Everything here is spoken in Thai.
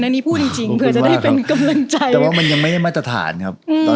อันนี้พูดจริงเผื่อจะได้เป็นกำลังใจแต่ว่ามันยังไม่ได้มาตรฐานครับ